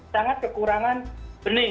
sangat kekurangan benih